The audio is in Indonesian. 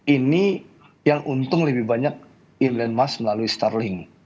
ini yang untung lebih banyak elon musk melalui starling